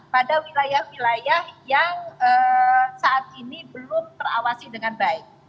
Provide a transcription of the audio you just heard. pada wilayah wilayah yang saat ini belum terawasi dengan baik